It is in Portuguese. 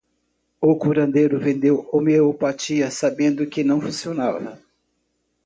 O curandeiro vendeu homeopatia sabendo que não funcionava